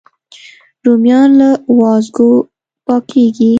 رومیان له وازګو پاکېږي